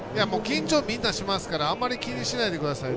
緊張はみんなしますからあまり気にしないでください。